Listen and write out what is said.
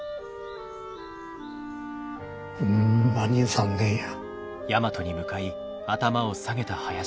ホンマに残念や。